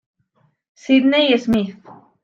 Sydney Smith.